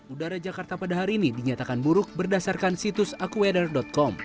udara jakarta pada hari ini dinyatakan buruk berdasarkan situs aquedar com